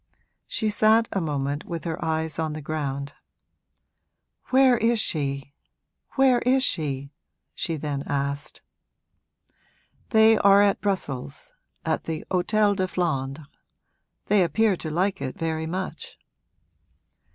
She sat a moment with her eyes on the ground. 'Where is she where is she?' she then asked. 'They are at Brussels, at the Hôtel de Flandres. They appear to like it very much.'